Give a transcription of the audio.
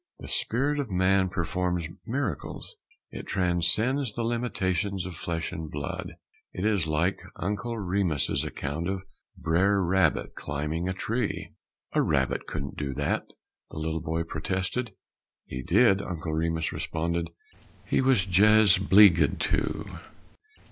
The spirit of man performs miracles; it transcends the limitations of flesh and blood. It is like Uncle Remus's account of Brer Rabbit climbing a tree. "A rabbit couldn't do that," the little boy protested. "He did," Uncle Remus responded; "he was jes' 'bleeged to."